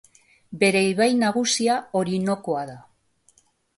Bere ibai nagusia Orinoko da.